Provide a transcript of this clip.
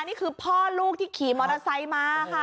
นี่คือพ่อลูกที่ขี่มอเตอร์ไซค์มาค่ะ